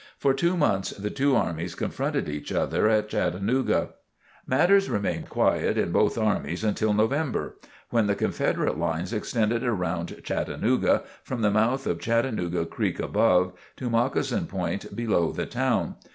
For two months the two armies confronted each other at Chattanooga. Matters remained quiet in both armies until November, when the Confederate lines extended around Chattanooga from the mouth of Chattanooga Creek above, to Moccasin Point below the town.